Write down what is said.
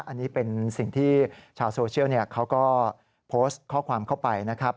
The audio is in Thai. อันนี้เป็นสิ่งที่ชาวโซเชียลเขาก็โพสต์ข้อความเข้าไปนะครับ